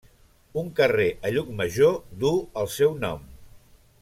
Un carrer a Llucmajor duu el seu nom.